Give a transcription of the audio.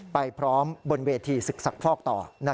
ไปพร้อมบนเวทีศึกษกภอกต่อ